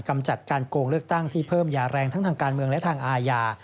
กำจัดการโกงเลือกตั้งที่เพิ่มยาแรงทั้งทางการเมืองและทางอาญา